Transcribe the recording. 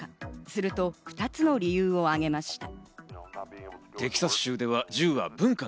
すると、２つの理由を挙げました。